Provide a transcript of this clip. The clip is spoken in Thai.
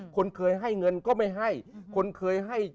คนเคยให้เงินก็ไม่ให้